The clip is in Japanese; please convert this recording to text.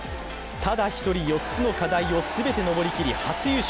ただ一人、４つの課題を全て登りきり初優勝。